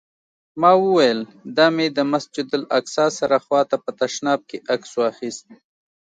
ما وویل: دا مې د مسجداالاقصی سره خوا ته په تشناب کې عکس واخیست.